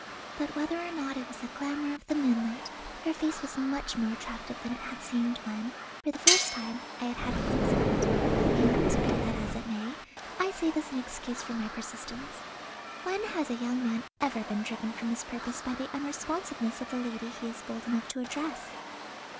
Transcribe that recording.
But, whether or not it was the glamour of the moonlight, her face was much more attractive than it had seemed when, for the first time, I had had a glimpse of it, and, be that as it may, I say this in excuse for my persistence. When has a young man ever been driven from his purpose by the unresponsiveness of the lady he is bold enough to address?